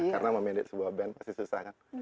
karena memilih sebuah band masih susah kan